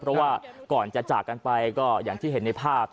เพราะว่าก่อนจะจากกันไปก็อย่างที่เห็นในภาพ